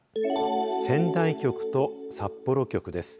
仙台局と札幌局です。